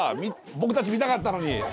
僕たち見たかったのに！